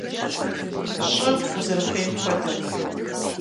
ЩӀы узэрыхуейм хуэдэу!